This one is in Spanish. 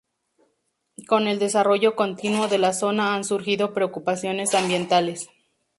Con el desarrollo continuo de la zona han surgido preocupaciones ambientales.